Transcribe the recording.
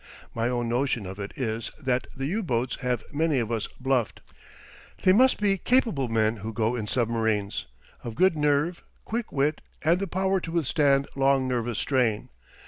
My own notion of it is that the U boats have many of us bluffed. They must be capable men who go in submarines; of good nerve, quick wit, and the power to withstand long nervous strain.